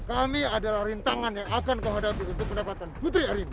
kami adalah rintangan yang akan kau hadapi untuk pendapatan putri arina